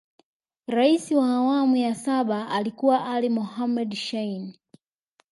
Rais wa awamu ya saba alikuwa Ali Mohamed Shein